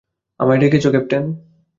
আমায় ডেকেছো, ক্যাপ্টেন?